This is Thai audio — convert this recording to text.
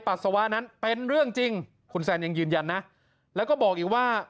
ปัสสาวะนั้นเป็นเรื่องจริงคุณแซนยังยืนยันนะแล้วก็บอกอีกว่า